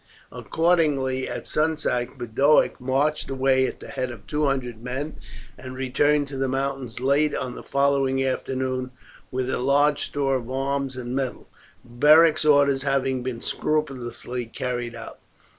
Accordingly at sunset Boduoc marched away at the head of two hundred men, and returned to the mountains late on the following afternoon with a large store of arms and metal, Beric's orders having been scrupulously carried out.